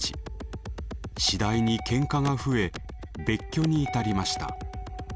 次第にケンカが増え別居に至りました。